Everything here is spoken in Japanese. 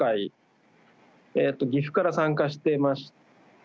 岐阜から参加してまして。